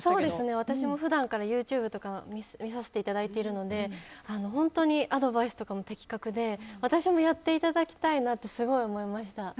私も普段からＹｏｕＴｕｂｅとか見させていただいているので本当にアドバイスとかも的確で私もやっていただきたいなとすごく思いました。